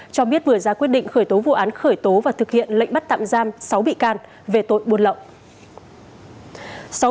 cho biết vừa ra quyết định khởi tố vụ án khởi tố và thực hiện lệnh bắt tạm giam sáu bị can về tội buôn lậu